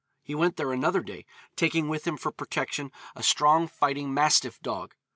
He went there another day, taking with him for protection a strong fighting mastiff dog.